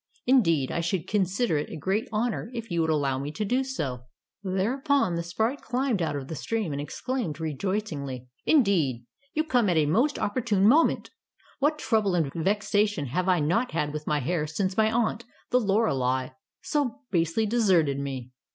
Indeed, I should consider it a great honor if you would allow me to do so." Tales of Modem Germany 85 Thereupon the sprite climbed out of the stream, and exclaimed rejoicingly, " Indeed, you come at a most opportune moment. What trouble and vexation have I not had with my hair since my aunt, the Lorelei, so basely deserted me.